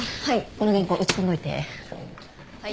この原稿打ち込んどいて。はい。